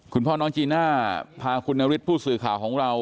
คุณพ่อน้องจีน่าพาคุณนฤทธิผู้สื่อข่าวของเรา